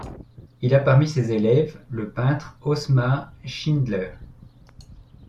Il a parmi ses élèves le peintre Osmar Schindler.